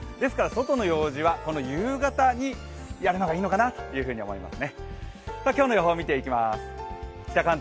外の用事は夕方にやるのがいいのかなと思います。